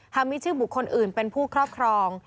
มีชื่อบุคคลอื่นเป็นผู้ครอบครอง